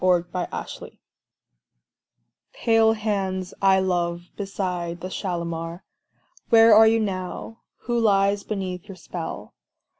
Kashmiri Song Pale hands I love beside the Shalimar, Where are you now? Who lies beneath your spell?